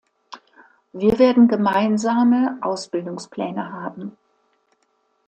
Wir werden gemeinsame Ausbildungspläne haben.